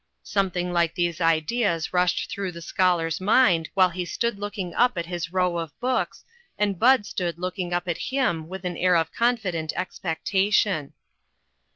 Something like these ideas rushed through the scholar's mind while he stood looking up at his row of books, and Bud stood looking up at him with an air of confident expectation.